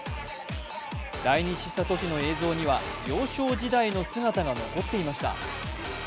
来日したときの映像には、幼少時代の姿が残っていました。